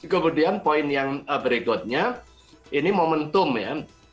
kemudian poin yang berikutnya ini momentum ya